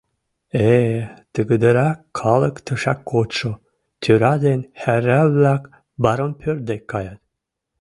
— Э-э, тыгыдырак калык тышак кодшо, тӧра ден хӓрра-влак барон пӧрт дек каят.